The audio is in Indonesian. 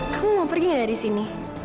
kamu mau pergi nggak dari sini